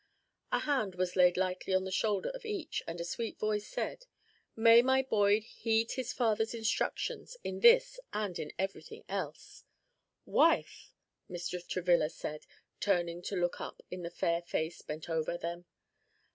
A hand was laid lightly on the shoulder of each, and a sweet voice said, "May my boy heed his father's instructions in this and in every thing else." "Wife!" Mr. Travilla said, turning to look up into the fair face bent over them.